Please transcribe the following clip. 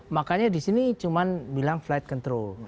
makanya di sini cuma bilang flight control